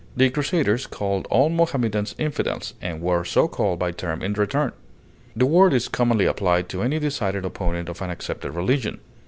The Crusaders called all Mohammedans infidels, and were so called by them in return; the word is commonly applied to any decided opponent of an accepted religion.